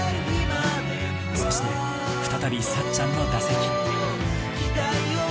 そして再びさっちゃんの打席。